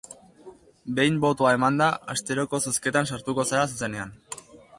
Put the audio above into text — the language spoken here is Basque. Behin botoa emanda, asteroko zozketan sartuko zara zuzenean.